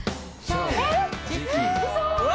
うわ！